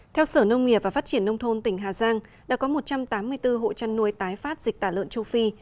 theo sở nông nghiệp và phát triển nông thôn tỉnh hà giang đã có một trăm tám mươi bốn hộ chăn nuôi tái phát dịch tả lợn châu phi